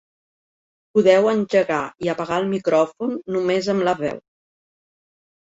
Podeu engegar i apagar el micròfon només amb la veu.